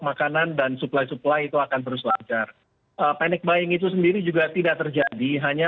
makanan dan suplai supply itu akan terus lancar panic buying itu sendiri juga tidak terjadi hanya